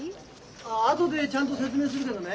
ああ後でちゃんと説明するけどね